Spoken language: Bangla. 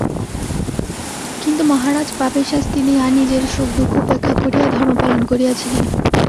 কিন্তু মহারাজ পাপের শাস্তি দিয়া নিজের সুখদুঃখ উপেক্ষা করিয়া ধর্ম পালন করিয়াছিলেন।